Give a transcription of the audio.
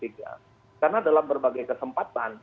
karena dalam berbagai kesempatan